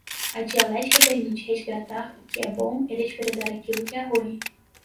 A dialética permite resgatar o que é bom e desprezar aquilo que é ruim